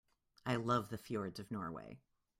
I love the fjords of Norway.